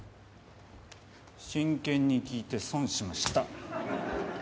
真剣に聞いて損しました。